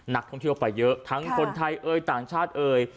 นักท่องเที่ยวไปเยอะทั้งคนไทยเอ่ยต่างชาติเอ่ย